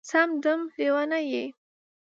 سم دم لېونی یې